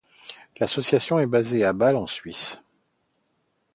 L'association est basée à Bâle en Suisse.